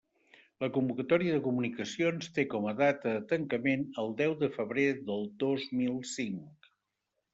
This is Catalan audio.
La convocatòria de comunicacions té com a data de tancament el deu de febrer del dos mil cinc.